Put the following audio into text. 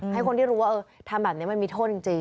ให้คนที่รู้ว่าทำแบบนี้มันมีโทษจริง